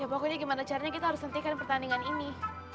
ya pokoknya gimana caranya kita harus hentikan pertandingan ini